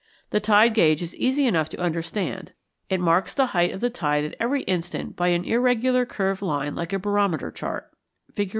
The tide gauge is easy enough to understand: it marks the height of the tide at every instant by an irregular curved line like a barometer chart (Fig.